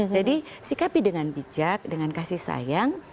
jadi sikapi dengan bijak dengan kasih sayang